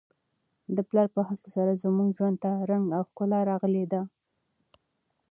د پلار په هڅو سره زموږ ژوند ته رنګ او ښکلا راغلې ده.